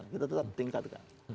kita tetap tingkatkan